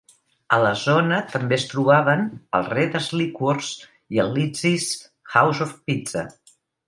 A la zona també es trobaven el Reda's Liquors i el Lizzi's House of Pizza.